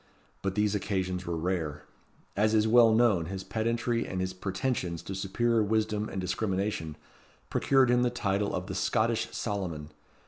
But these occasions were rare. As is well known, his pedantry and his pretensions to superior wisdom and discrimination, procured him the title of the "Scottish Solomon."